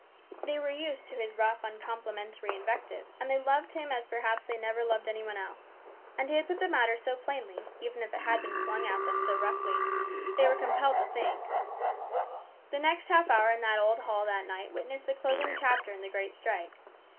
They were used to his rough, uncomplimentary invective, and they loved him as perhaps they never loved any one else ; and he had put the matter so plainly, even if it had been flung at them so roughly, that they were compelled to think. 272 HIS BROTHER'S KEEPER. The next half hour in that old hall that night witnessed the closing chapter in the great strike.